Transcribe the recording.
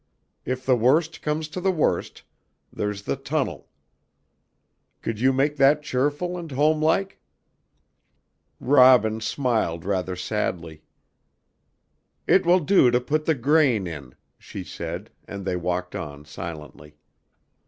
If the worst comes to the worst, there's the tunnel. Could you make that cheerful and homelike?" Robin smiled rather sadly. "It will do to put the grain in," she said, and they walked on silently.